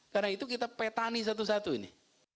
karena itu kita petani satu satu ini